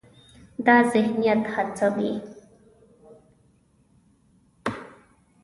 دا ذهنیت هڅوي،